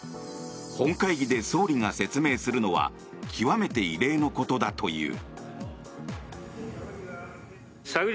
本会議で総理が説明するのは極めて異例のことだという。